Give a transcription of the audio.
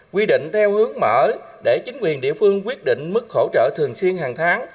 quy định theo hướng mở để chính quyền địa phương quyết định mức hỗ trợ thường xuyên hàng tháng